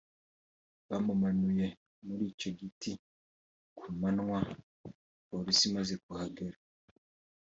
Bamumanuye muri icyo giti ku manywa Polisi imaze kuhagera